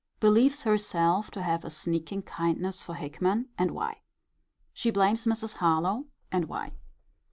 Believes herself to have a sneaking kindness for Hickman: and why. She blames Mrs. Harlowe: and why.